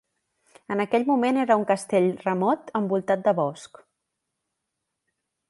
En aquell moment era un "castell" remot, envoltat de bosc.